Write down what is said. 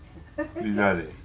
みんなで。